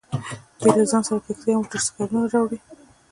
دوی له ځان سره کښتۍ او موټر سایکلونه راوړي